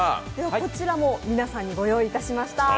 こちらも皆さんにご用意いたしました。